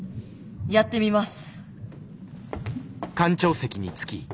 やってみます。